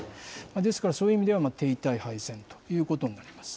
ですから、そういう意味では、手痛い敗戦ということになります。